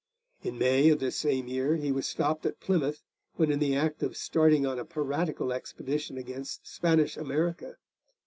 In May of this same year he was stopped at Plymouth when in the act of starting on a piratical expedition against Spanish America.